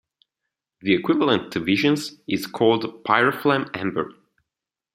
The equivalent to Visions is called Pyroflam Amber.